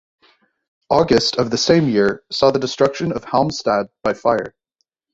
August of the same year saw the destruction of Halmstad by fire.